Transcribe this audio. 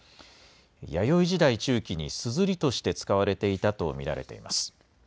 弥生時代中期にすずりとして使われていたと見られています。